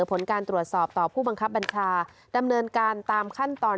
ผลการตรวจสอบต่อผู้บังคับบัญชาดำเนินการตามขั้นตอน